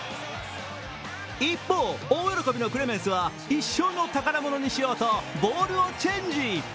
一方、大喜びのクレメンスは一生の宝物にしようと、ボールをチェンジ。